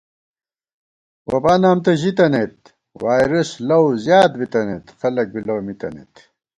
وَبا نام تہ ژِتَنَئیت وائرَس لَؤ زیات بِتَنَئیت خلَک بی لَؤ مِتَنَئیت